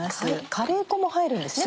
カレー粉も入るんですね？